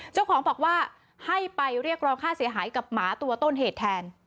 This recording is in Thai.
เจ้าของบอกว่าให้ไปเรียกร้องค่าเสียหายกับหมาตัวต้นเหตุแทน